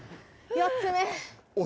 ４つ目？